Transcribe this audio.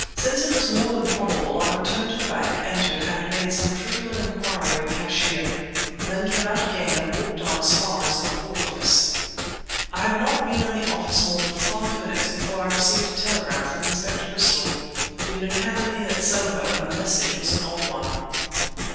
Since it was more than probable, I returned to the bank, entered, and made some trivial inquiry of a cashier, and then came out again and walked on as far as the Report office. I had not been in the office more than five minutes before I received a telegram from Inspector Bristol. It had been handed in at Soho, and the message was an odd one.